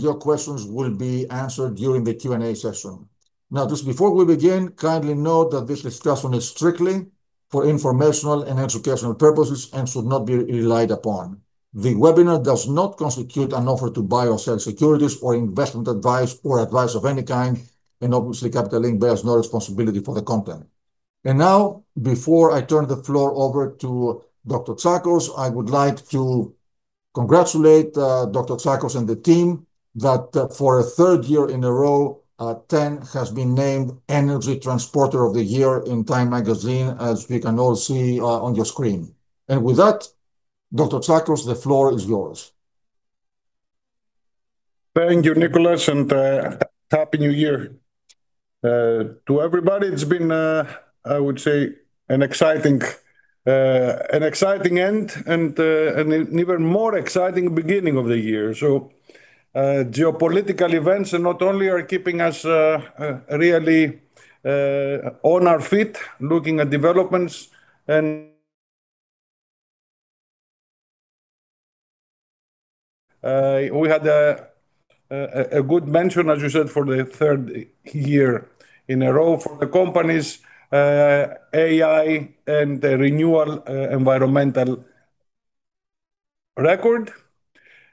Your questions will be answered during the Q&A session. Now, just before we begin, kindly note that this discussion is strictly for informational and educational purposes and should not be relied upon. The webinar does not constitute an offer to buy or sell securities or investment advice or advice of any kind, and obviously, Capital Link bears no responsibility for the content. Now, before I turn the floor over to Dr. Tsakos, I would like to congratulate Dr. Tsakos and the team that for a third year in a row, TEN has been named Energy Transporter of the Year in TIME Magazine, as we can all see on your screen. With that, Dr. Tsakos, the floor is yours. Thank you, Nicolas, and happy new year to everybody. It's been, I would say, an exciting end and an even more exciting beginning of the year, so geopolitical events not only are keeping us really on our feet looking at developments, and we had a good mention, as you said, for the third year in a row for the company's award in renewable environmental record,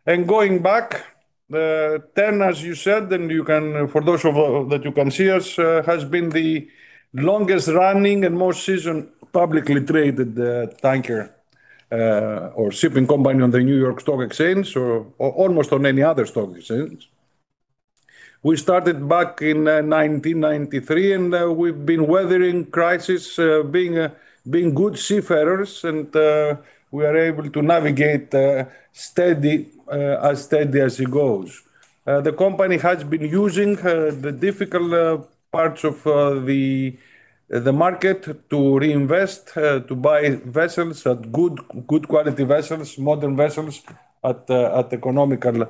and going back, TEN, as you said, and you can, for those of you that you can see us, has been the longest running and most seasoned publicly traded tanker or shipping company on the New York Stock Exchange, or almost on any other stock exchange. We started back in 1993, and we've been weathering crises, being good seafarers, and we are able to navigate as steady as it goes. The company has been using the difficult parts of the market to reinvest, to buy vessels at good quality vessels, modern vessels at economical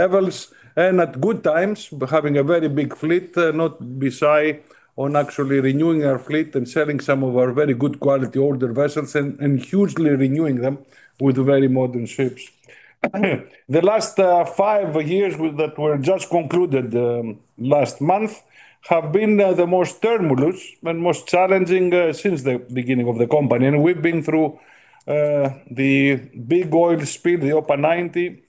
levels, and at good times, having a very big fleet, not beside on actually renewing our fleet and selling some of our very good quality older vessels and hugely renewing them with very modern ships. The last five years that were just concluded last month have been the most turbulent and most challenging since the beginning of the company. And we've been through the big oil spill, the OPA 90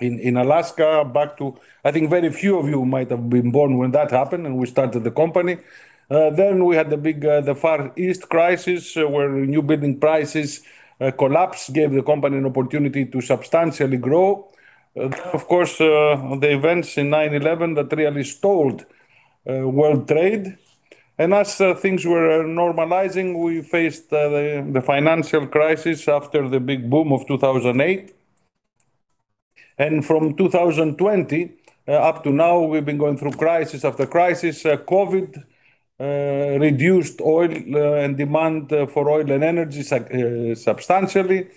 in Alaska, back to, I think very few of you might have been born when that happened and we started the company. Then we had the Far East crisis where newbuilding prices collapsed, gave the company an opportunity to substantially grow. Of course, the events in 9/11 that really stalled world trade. As things were normalizing, we faced the financial crisis after the big boom of 2008. From 2020 up to now, we've been going through crisis after crisis. COVID reduced oil and demand for oil and energy substantially.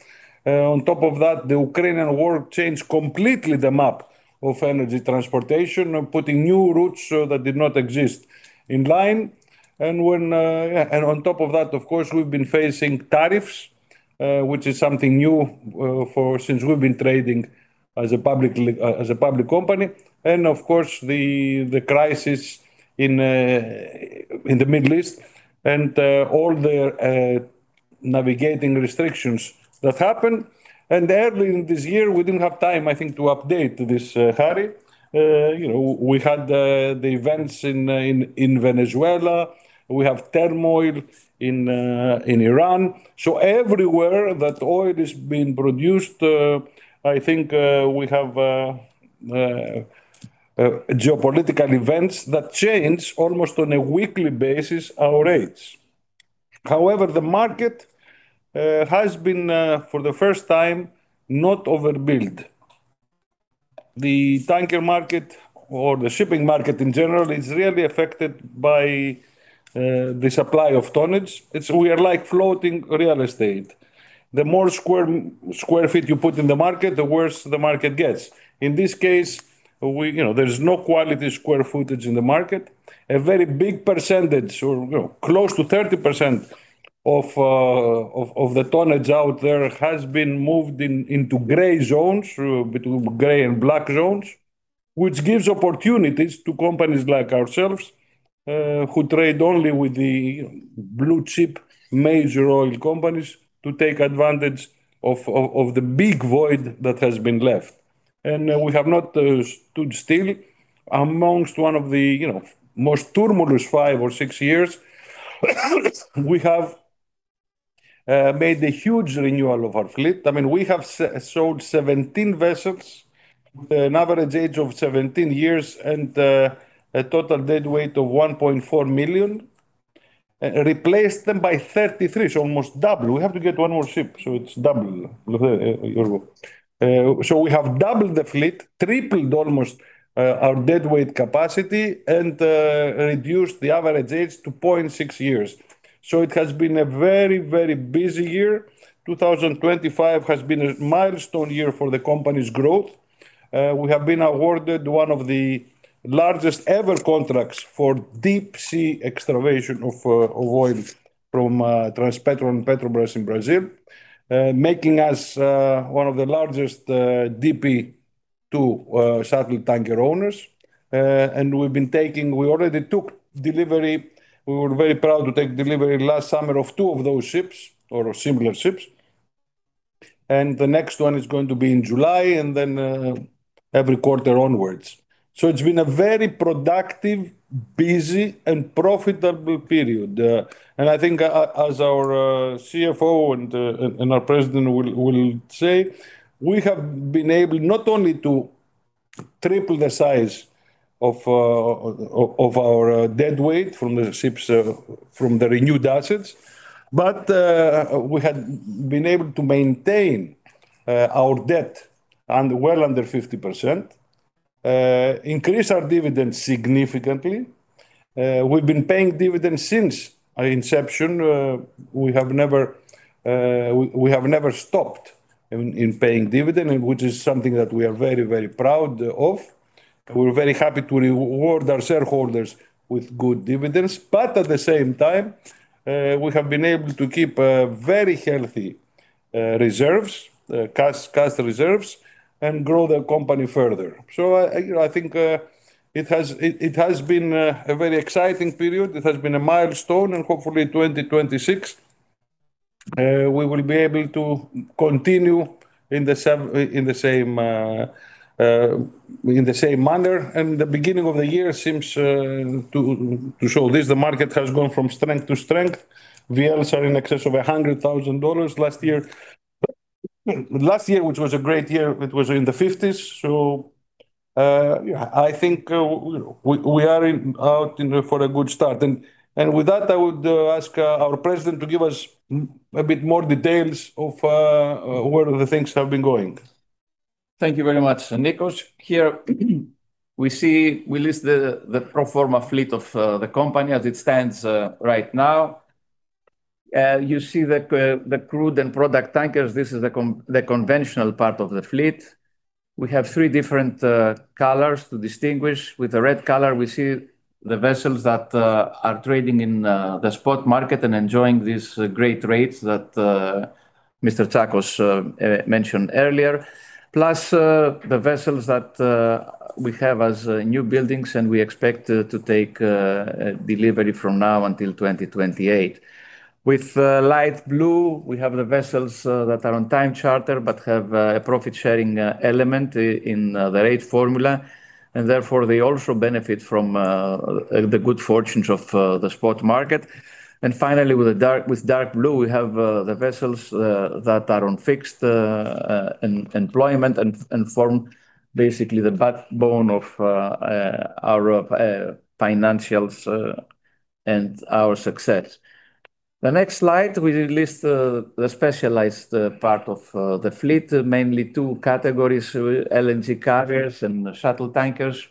On top of that, the Ukrainian war changed completely the map of energy transportation, putting new routes that did not exist in line. On top of that, of course, we've been facing tariffs, which is something new since we've been trading as a public company. Of course, the crisis in the Middle East and all the navigating restrictions that happened. Early in this year, we didn't have time, I think, to update this, Harrys. We had the events in Venezuela. We have turmoil in Iran. So everywhere that oil is being produced, I think we have geopolitical events that change almost on a weekly basis our rates. However, the market has been, for the first time, not overbuilt. The tanker market or the shipping market in general is really affected by the supply of tonnage. We are like floating real estate. The more square feet you put in the market, the worse the market gets. In this case, there's no quality square footage in the market. A very big percentage, or close to 30%, of the tonnage out there has been moved into gray zones, between gray and black zones, which gives opportunities to companies like ourselves who trade only with the blue chip major oil companies to take advantage of the big void that has been left. And we have not stood still. Among one of the most turbulent five or six years, we have made a huge renewal of our fleet. I mean, we have sold 17 vessels with an average age of 17 years and a total deadweight of 1.4 million, replaced them by 33, so almost double. We have to get one more ship, so it's double. So we have doubled the fleet, tripled almost our deadweight capacity, and reduced the average age to 0.6 years. So it has been a very, very busy year. 2025 has been a milestone year for the company's growth. We have been awarded one of the largest ever contracts for deep sea excavation of oil from Transpetrol and Petrobras in Brazil, making us one of the largest DP2 shuttle tanker owners. And we've been taking, we already took delivery. We were very proud to take delivery last summer of two of those ships or similar ships. And the next one is going to be in July and then every quarter onwards. It's been a very productive, busy, and profitable period. I think as our CFO and our President will say, we have been able not only to triple the size of our deadweight from the ships, from the renewed assets, but we had been able to maintain our debt well under 50%, increase our dividends significantly. We've been paying dividends since inception. We have never stopped paying dividends, which is something that we are very, very proud of. We're very happy to reward our shareholders with good dividends. At the same time, we have been able to keep very healthy reserves, cash reserves, and grow the company further. I think it has been a very exciting period. It has been a milestone, and hopefully 2026, we will be able to continue in the same manner. The beginning of the year seems to show this. The market has gone from strength to strength. VLs are in excess of $100,000 last year. Last year, which was a great year, it was in the 50s. I think we are out for a good start. With that, I would ask our President to give us a bit more details of where the things have been going. Thank you very much, Nikolas. Here we see, we list the pro forma fleet of the company as it stands right now. You see the crude and product tankers. This is the conventional part of the fleet. We have three different colors to distinguish. With the red color, we see the vessels that are trading in the spot market and enjoying these great rates that Mr. Tsakos mentioned earlier, plus the vessels that we have as new buildings, and we expect to take delivery from now until 2028. With light blue, we have the vessels that are on time charter but have a profit sharing element in the rate formula, and therefore they also benefit from the good fortune of the spot market. And finally, with dark blue, we have the vessels that are on fixed employment and form basically the backbone of our financials and our success. The next slide, we list the specialized part of the fleet, mainly two categories, LNG carriers and shuttle tankers.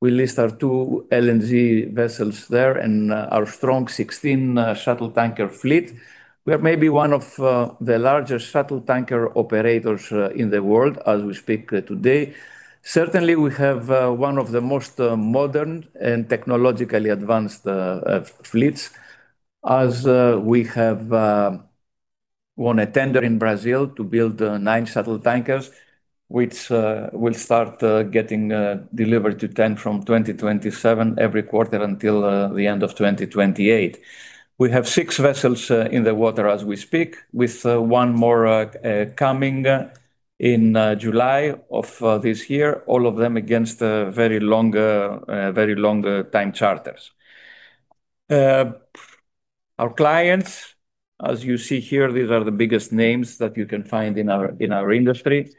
We list our two LNG vessels there and our strong 16 shuttle tanker fleet. We are maybe one of the largest shuttle tanker operators in the world as we speak today. Certainly, we have one of the most modern and technologically advanced fleets, as we have won a tender in Brazil to build nine shuttle tankers, which will start getting delivered to TEN from 2027 every quarter until the end of 2028. We have six vessels in the water as we speak, with one more coming in July of this year, all of them against very long time charters. Our clients, as you see here, these are the biggest names that you can find in our industry.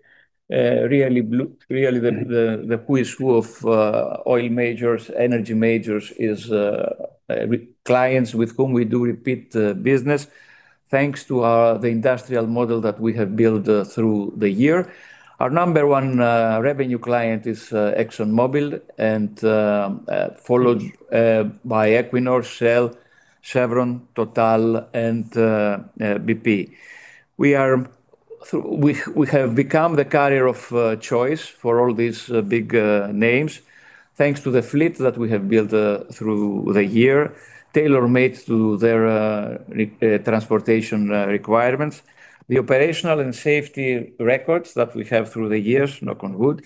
Really, the who's who of oil majors, energy majors is clients with whom we do repeat business thanks to the industrial model that we have built through the year. Our number one revenue client is ExxonMobil, followed by Equinor, Shell, Chevron, Total, and BP. We have become the carrier of choice for all these big names thanks to the fleet that we have built through the year, tailor-made to their transportation requirements, the operational and safety records that we have through the years, knock on wood,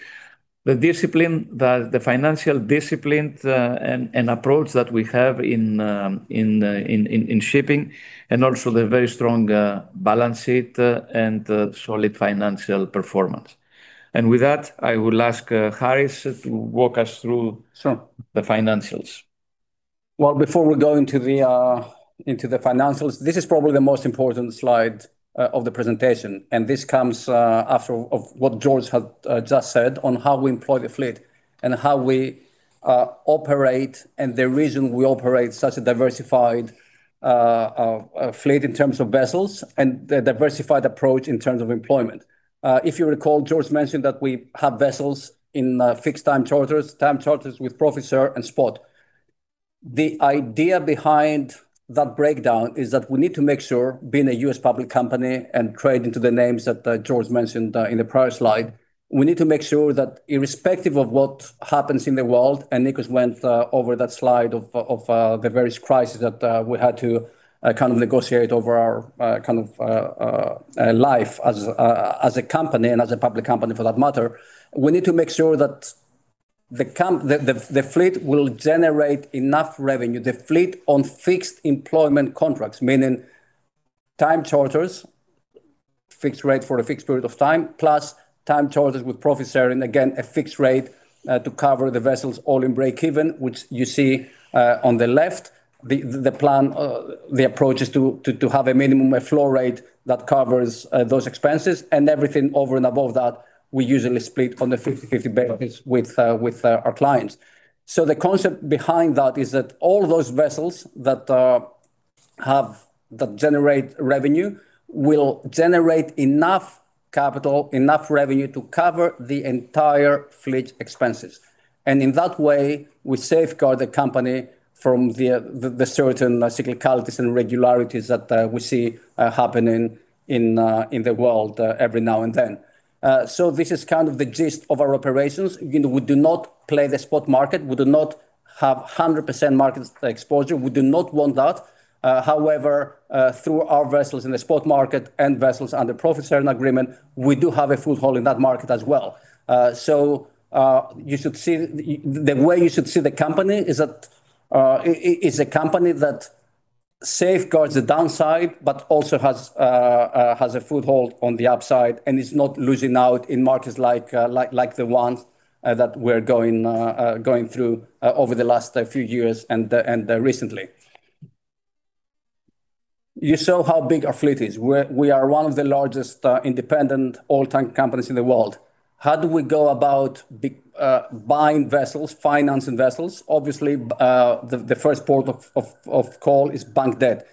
the discipline, the financial discipline and approach that we have in shipping, and also the very strong balance sheet and solid financial performance. With that, I will ask Harrys to walk us through the financials. Before we go into the financials, this is probably the most important slide of the presentation. This comes after what George had just said on how we employ the fleet and how we operate and the reason we operate such a diversified fleet in terms of vessels and the diversified approach in terms of employment. If you recall, George mentioned that we have vessels in fixed time charters, time charters with profit share and spot. The idea behind that breakdown is that we need to make sure, being a U.S. public company and trading to the names that George mentioned in the prior slide, we need to make sure that irrespective of what happens in the world, and Nicholas went over that slide of the various crises that we had to kind of negotiate over our kind of life as a company and as a public company for that matter, we need to make sure that the fleet will generate enough revenue, the fleet on fixed employment contracts, meaning time charters, fixed rate for a fixed period of time, plus time charters with profit share and again, a fixed rate to cover the vessels all in break even, which you see on the left. The plan, the approach is to have a minimum floor rate that covers those expenses. And everything over and above that, we usually split on a 50/50 basis with our clients. So the concept behind that is that all those vessels that generate revenue will generate enough capital, enough revenue to cover the entire fleet expenses. And in that way, we safeguard the company from the certain cyclicalities and regularities that we see happening in the world every now and then. So this is kind of the gist of our operations. We do not play the spot market. We do not have 100% market exposure. We do not want that. However, through our vessels in the spot market and vessels under profit share and agreement, we do have a foothold in that market as well. So the way you should see the company is that it's a company that safeguards the downside, but also has a foothold on the upside and is not losing out in markets like the ones that we're going through over the last few years and recently. You saw how big our fleet is. We are one of the largest independent oil tanker companies in the world. How do we go about buying vessels, financing vessels? Obviously, the first port of call is bank debt.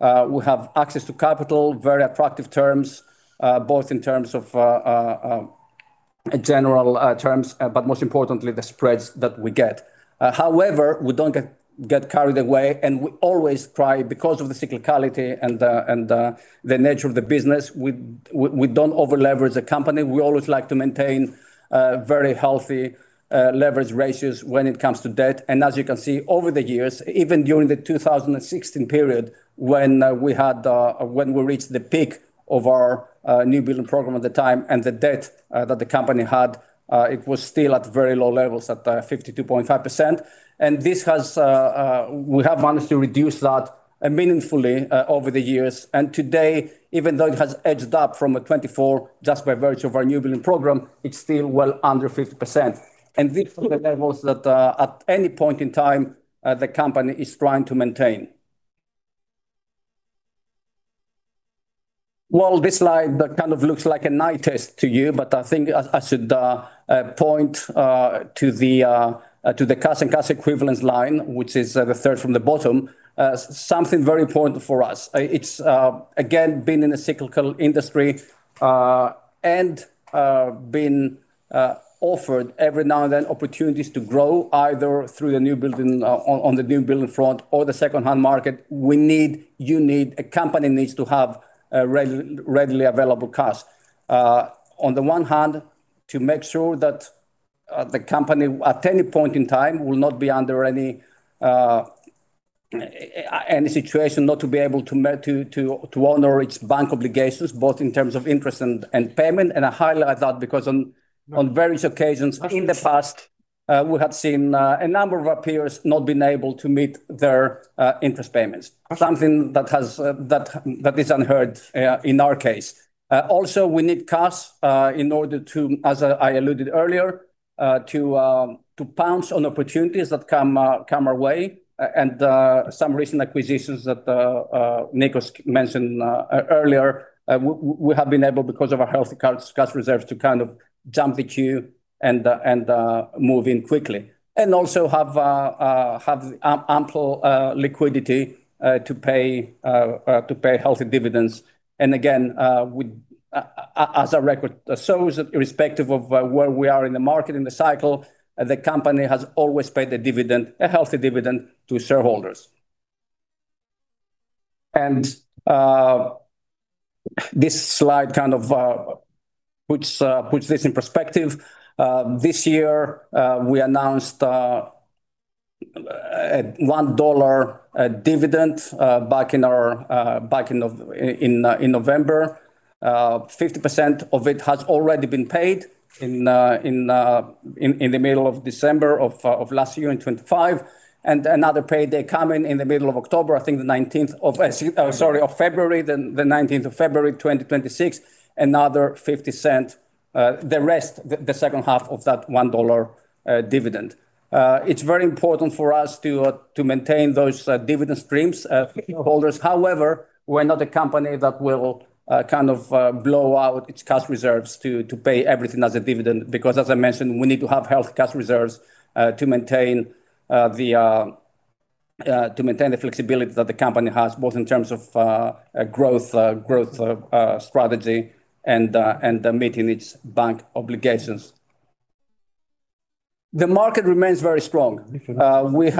We have access to capital, very attractive terms, both in terms of general terms, but most importantly, the spreads that we get. However, we don't get carried away, and we always try because of the cyclicality and the nature of the business, we don't over-leverage the company. We always like to maintain very healthy leverage ratios when it comes to debt. And as you can see over the years, even during the 2016 period, when we reached the peak of our newbuilding program at the time and the debt that the company had, it was still at very low levels at 52.5%. And we have managed to reduce that meaningfully over the years. And today, even though it has edged up from a 24% just by virtue of our newbuilding program, it's still well under 50%. And these are the levels that at any point in time, the company is trying to maintain. Well, this slide kind of looks like an eyesight test to you, but I think I should point to the cash and cash equivalents line, which is the third from the bottom, something very important for us. It's, again, been in a cyclical industry and been offered every now and then opportunities to grow either through the newbuilding on the newbuilding front or the second-hand market. We need, you need. A company needs to have readily available cash. On the one hand, to make sure that the company at any point in time will not be under any situation not to be able to honor its bank obligations, both in terms of interest and payment. I highlight that because on various occasions in the past, we had seen a number of peers not being able to meet their interest payments, something that is unheard in our case. Also, we need cash in order to, as I alluded earlier, to pounce on opportunities that come our way, and some recent acquisitions that Nikolas mentioned earlier. We have been able because of our healthy cash reserves to kind of jump the queue and move in quickly and also have ample liquidity to pay healthy dividends, and again, as our record shows, irrespective of where we are in the market, in the cycle, the company has always paid a dividend, a healthy dividend to shareholders, and this slide kind of puts this in perspective. This year, we announced a $1 dividend back in November. 50% of it has already been paid in the middle of December of last year in 2025. Another payday coming in the middle of October, I think the 19th of February, the 19th of February 2026, another $0.50, the rest, the second half of that $1 dividend. It's very important for us to maintain those dividend streams for shareholders. However, we're not a company that will kind of blow out its cash reserves to pay everything as a dividend because, as I mentioned, we need to have healthy cash reserves to maintain the flexibility that the company has, both in terms of growth strategy and meeting its bank obligations. The market remains very strong. We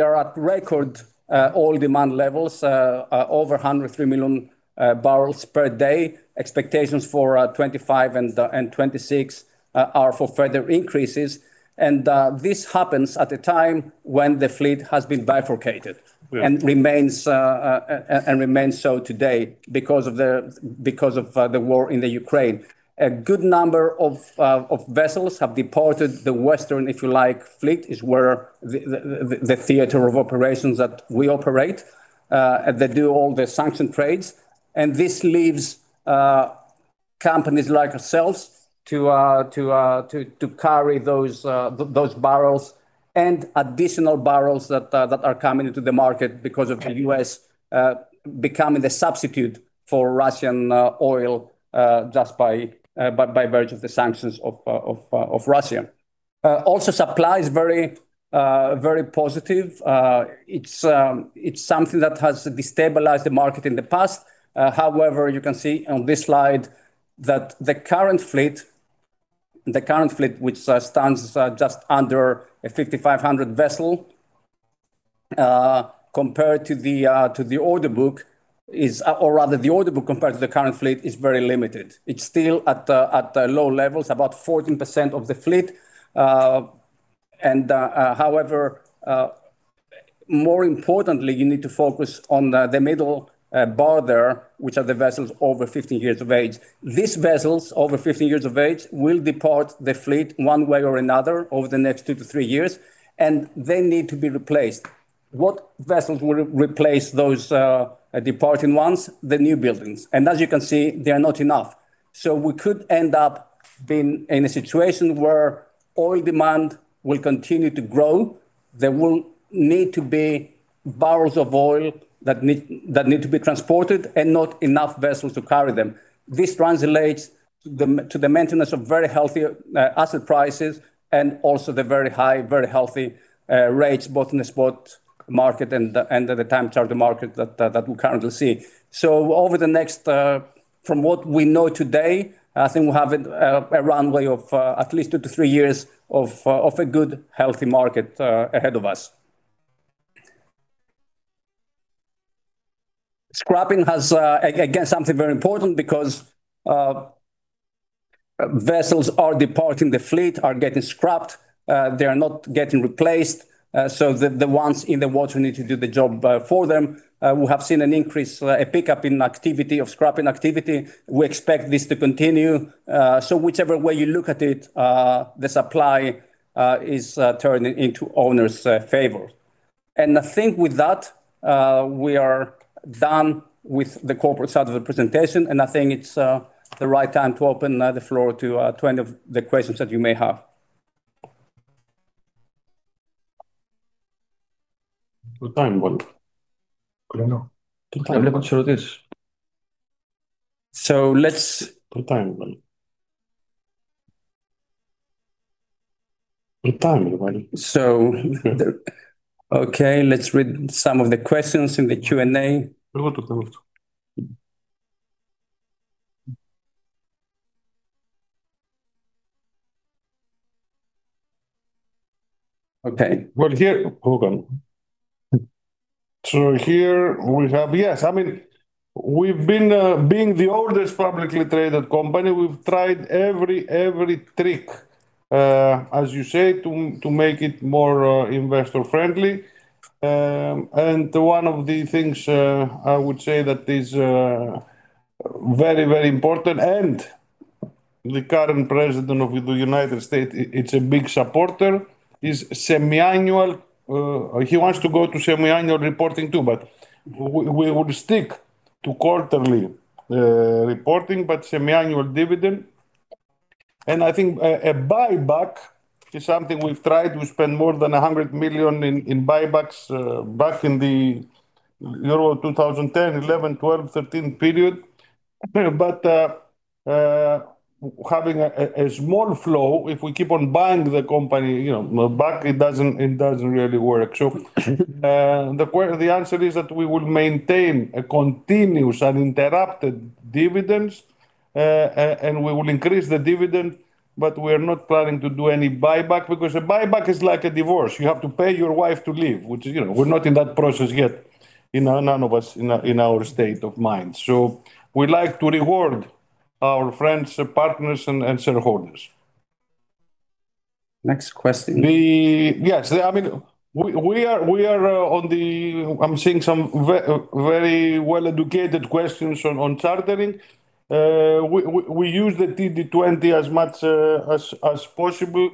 are at record oil demand levels, over 103 million barrels per day. Expectations for 2025 and 2026 are for further increases. This happens at a time when the fleet has been bifurcated and remains so today because of the war in Ukraine. A good number of vessels have departed the western, if you like, fleet. It's where the theater of operations that we operate. They do all the sanctioned trades. And this leaves companies like ourselves to carry those barrels and additional barrels that are coming into the market because of the U.S. becoming the substitute for Russian oil just by virtue of the sanctions of Russia. Also, supply is very positive. It's something that has destabilized the market in the past. However, you can see on this slide that the current fleet, which stands just under 5,500 vessels compared to the order book, is, or rather the order book compared to the current fleet is very limited. It's still at low levels, about 14% of the fleet. However, more importantly, you need to focus on the middle bar there, which are the vessels over 15 years of age. These vessels over 15 years of age will depart the fleet one way or another over the next two to three years, and they need to be replaced. What vessels will replace those departing ones? The newbuildings. As you can see, there are not enough. We could end up being in a situation where oil demand will continue to grow. There will need to be barrels of oil that need to be transported and not enough vessels to carry them. This translates to the maintenance of very healthy asset prices and also the very high, very healthy rates, both in the spot market and the time charter market that we currently see. Over the next, from what we know today, I think we have a runway of at least two to three years of a good, healthy market ahead of us. Scrapping has, again, something very important because vessels are departing the fleet, are getting scrapped. They are not getting replaced. The ones in the water need to do the job for them. We have seen an increase, a pickup in activity of scrapping. We expect this to continue. Whichever way you look at it, the supply is turning into owners' favor. I think with that, we are done with the corporate side of the presentation. I think it's the right time to open the floor to any of the questions that you may have. Good time, buddy. Good time. So let's. Good time, buddy. Good time, buddy. So, okay, let's read some of the questions in the Q&A. Okay. I mean, we've been the oldest publicly traded company. We've tried every trick, as you say, to make it more investor-friendly. One of the things I would say that is very, very important and the current President of the United States is a big supporter of is semi-annual. He wants to go to semi-annual reporting too, but we will stick to quarterly reporting, but semi-annual dividend. I think a buyback is something we've tried. We spent more than $100 million in buybacks back in the era of 2010, 2011, 2012, 2013 period. Having a small float, if we keep on buying the company back, it doesn't really work. So the answer is that we will maintain continuous and uninterrupted dividends, and we will increase the dividend, but we are not planning to do any buyback because a buyback is like a divorce. You have to pay your wife to leave, which we're not in that process yet, none of us in our state of mind. So we like to reward our friends, partners, and shareholders. Next question. Yes, I mean, we are on the. I'm seeing some very well-educated questions on chartering. We use the TD20 as much as possible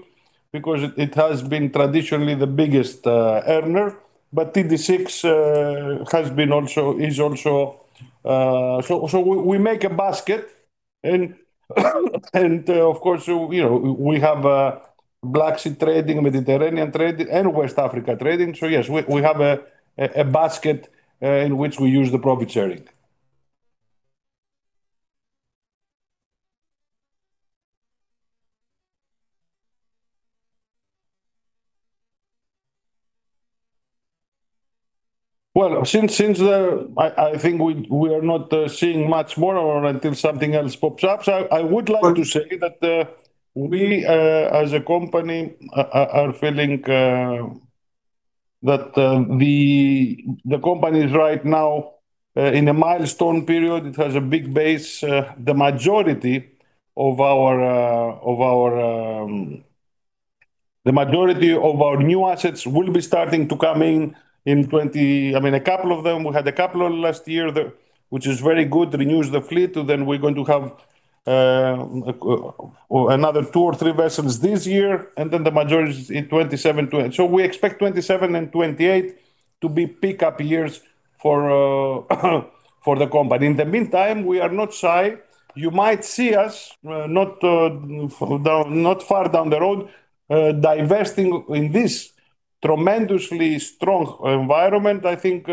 because it has been traditionally the biggest earner, but TD6 has been also, is also. We make a basket. Of course, we have Black Sea trading, Mediterranean trading, and West Africa trading. Yes, we have a basket in which we use the profit sharing. Since I think we are not seeing much more or until something else pops up, I would like to say that we, as a company, are feeling that the company is right now in a milestone period. It has a big base. The majority of our new assets will be starting to come in in 20, I mean, a couple of them. We had a couple last year, which is very good, renews the fleet. Then we're going to have another two or three vessels this year. And then the majority is in 2027. So we expect 2027 and 2028 to be pickup years for the company. In the meantime, we are not shy. You might see us not far down the road divesting in this tremendously strong environment. I think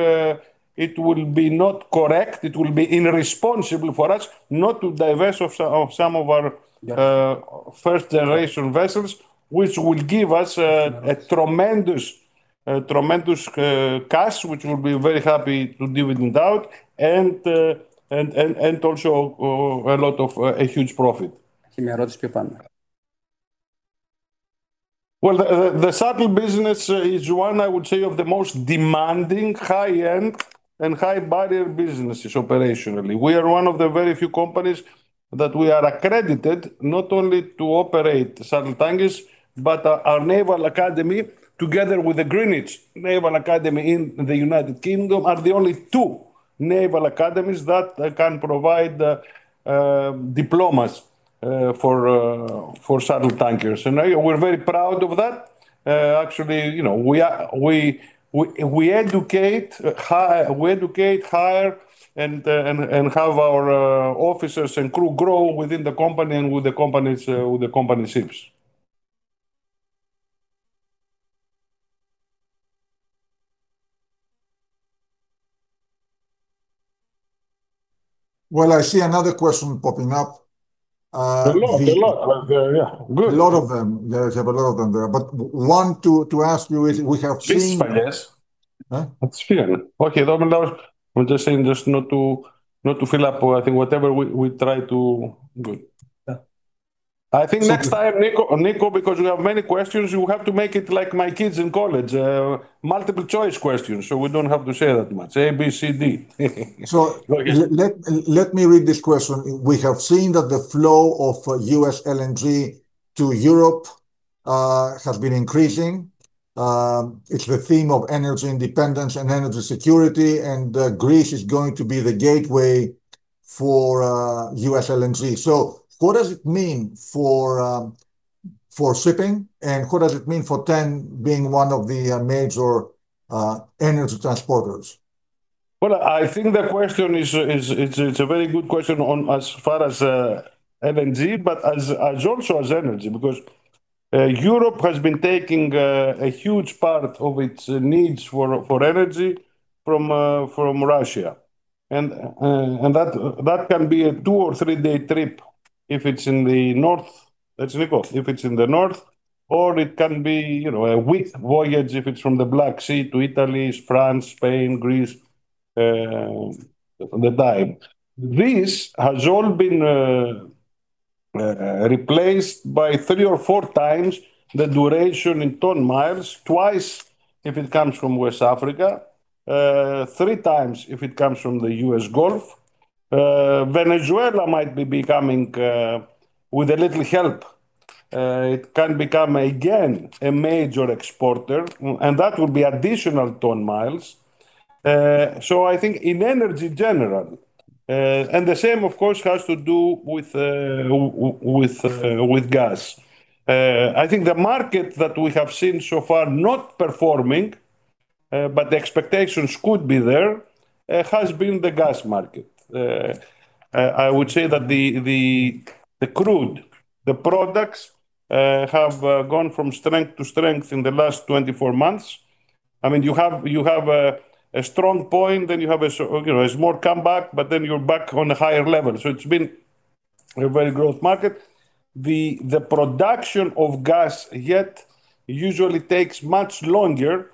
it will be not correct. It will be irresponsible for us not to divest of some of our first-generation vessels, which will give us a tremendous cash, which we'll be very happy to dividend out, and also a lot of huge profit. Have a question? The shuttle business is one, I would say, of the most demanding high-end and high-barrier businesses operationally. We are one of the very few companies that we are accredited not only to operate shuttle tankers, but our Naval Academy, together with the Greenwich Naval Academy in the United Kingdom, are the only two Naval Academies that can provide diplomas for shuttle tankers. We're very proud of that. Actually, we educate higher and have our officers and crew grow within the company and with the company's ships. I see another question popping up. A lot, a lot. Yeah, good. A lot of them. Yeah, I have a lot of them there. But one to ask you is we have seen. Yes. That's fine. Okay, Moderator, I'm just saying just not to fill up. I think whatever we try to. I think next time, Nico, because we have many questions, you have to make it like my kids in college, multiple-choice questions. So we don't have to say that much, A, B, C, D. So let me read this question. We have seen that the flow of U.S. LNG to Europe has been increasing. It's the theme of energy independence and energy security. And Greece is going to be the gateway for U.S. LNG. So, what does it mean for shipping? And what does it mean for TEN being one of the major energy transporters? I think the question is a very good question as far as LNG, but also as energy because Europe has been taking a huge part of its needs for energy from Russia. That can be a two or three-day trip if it's in the north. That's Nico, if it's in the north, or it can be a week voyage if it's from the Black Sea to Italy, France, Spain, Greece, the time. This has all been replaced by three or four times the duration in ton miles, twice if it comes from West Africa, three times if it comes from the U.S. Gulf. Venezuela might be becoming, with a little help, it can become again a major exporter, and that will be additional ton miles. I think in energy general, and the same, of course, has to do with gas. I think the market that we have seen so far not performing, but the expectations could be there, has been the gas market. I would say that the crude, the products have gone from strength to strength in the last 24 months. I mean, you have a strong point, then you have a small comeback, but then you're back on a higher level, so it's been a very growth market. The production of gas yet usually takes much longer than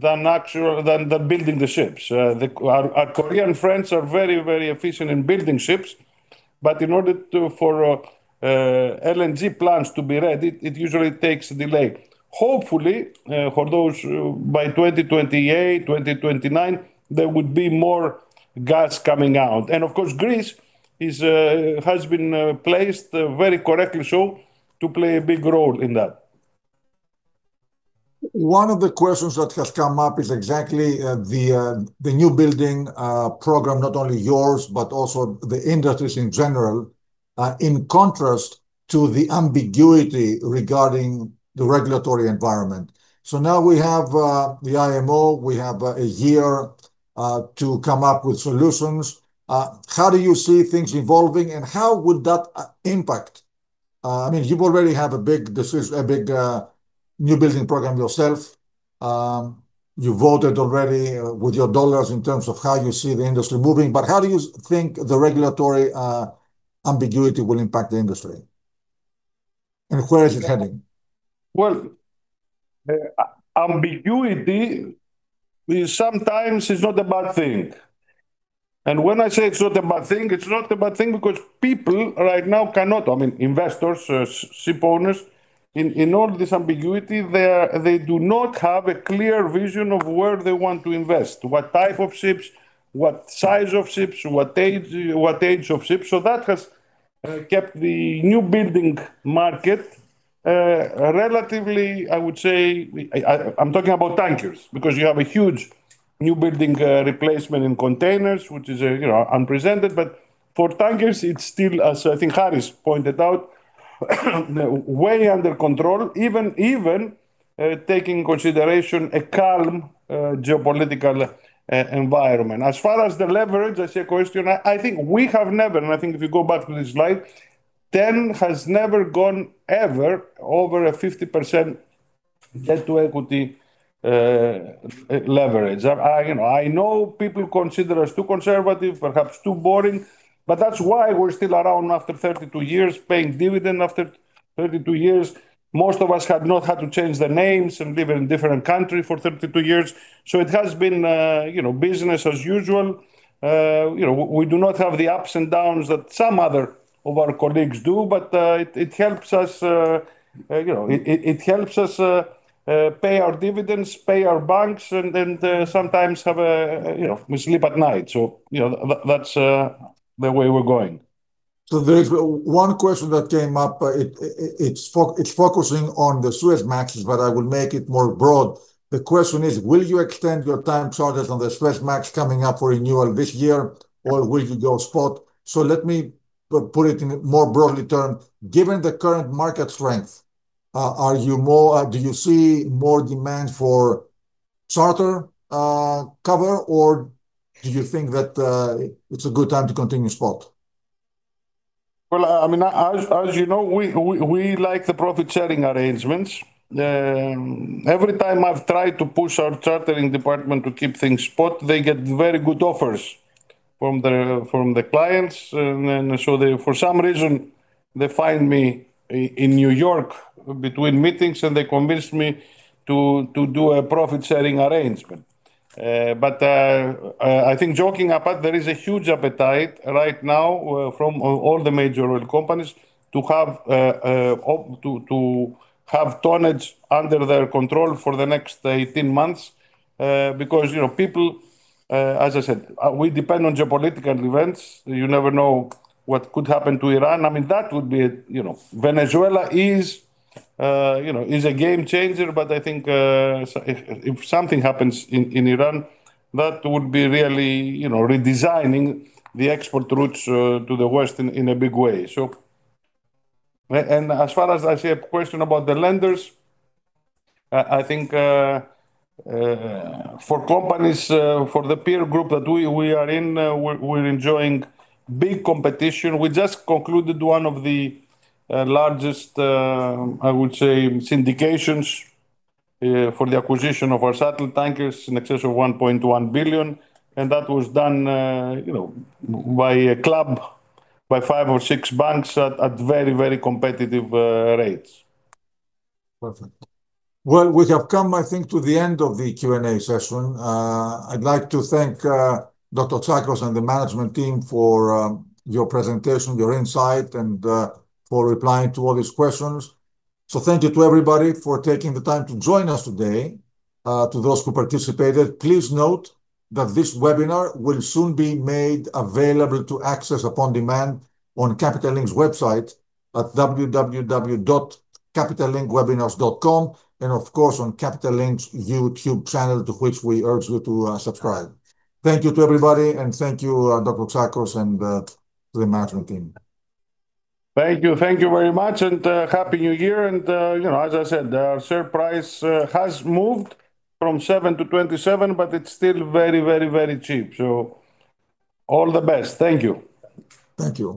building the ships. Our Korean friends are very, very efficient in building ships, but in order for LNG plants to be ready, it usually takes a delay. Hopefully, by 2028, 2029, there would be more gas coming out, and of course, Greece has been placed very correctly so to play a big role in that. One of the questions that has come up is exactly the newbuilding program, not only yours, but also the industries in general, in contrast to the ambiguity regarding the regulatory environment, so now we have the IMO, we have a year to come up with solutions. How do you see things evolving and how would that impact? I mean, you already have a big newbuilding program yourself. You voted already with your dollars in terms of how you see the industry moving, but how do you think the regulatory ambiguity will impact the industry? and where is it heading? Ambiguity sometimes is not a bad thing. When I say it's not a bad thing, it's not a bad thing because people right now cannot, I mean, investors, ship owners, in all this ambiguity, they do not have a clear vision of where they want to invest, what type of ships, what size of ships, what age of ships. That has kept the newbuilding market relatively, I would say, I'm talking about tankers because you have a huge newbuilding replacement in containers, which is unprecedented. For tankers, it's still, as I thinkHarrys pointed out, way under control, even taking into consideration a calm geopolitical environment. As far as the leverage, I see a question. I think we have never, and I think if you go back to this slide, TEN has never gone ever over a 50% debt-to-equity leverage. I know people consider us too conservative, perhaps too boring, but that's why we're still around after 32 years, paying dividend after 32 years. Most of us have not had to change the names and live in different countries for 32 years. So it has been business as usual. We do not have the ups and downs that some other of our colleagues do, but it helps us. It helps us pay our dividends, pay our banks, and sometimes we sleep at night. So that's the way we're going. There's one question that came up. It's focusing on the Suezmax, but I will make it more broad. The question is, will you extend your time charters on the Suezmax coming up for renewal this year, or will you go spot? Let me put it in broader terms. Given the current market strength, do you see more demand for charter cover, or do you think that it's a good time to continue spot? I mean, as you know, we like the profit sharing arrangements. Every time I've tried to push our chartering department to keep things spot, they get very good offers from the clients. And so for some reason, they find me in New York between meetings, and they convinced me to do a profit sharing arrangement. But I think joking apart, there is a huge appetite right now from all the major oil companies to have tonnage under their control for the next 18 months because people, as I said, we depend on geopolitical events. You never know what could happen to Iran. I mean, that would be. A Venezuela is a game changer, but I think if something happens in Iran, that would be really redesigning the export routes to the West in a big way. As far as I see a question about the lenders, I think for companies, for the peer group that we are in, we're enjoying big competition. We just concluded one of the largest, I would say, syndications for the acquisition of our shuttle tankers in excess of $1.1 billion. That was done by a club, by five or six banks at very, very competitive rates. Perfect. Well, we have come, I think, to the end of the Q&A session. I'd like to thank Dr. Tsakos and the management team for your presentation, your insight, and for replying to all these questions. So thank you to everybody for taking the time to join us today, to those who participated. Please note that this webinar will soon be made available to access upon demand on Capital Link's website at www.capitallinkwebinars.com and, of course, on Capital Link's YouTube channel, to which we urge you to subscribe. Thank you to everybody, and thank you, Dr. Tsakos, and the management team. Thank you. Thank you very much, and happy New Year, and as I said, our share price has moved from $7 to $27, but it's still very, very, very cheap. So all the best. Thank you. Thank you.